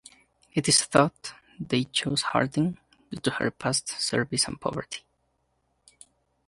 It is thought they chose Harding due to her past service and poverty.